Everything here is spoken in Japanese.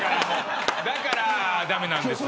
だから、駄目なんですよ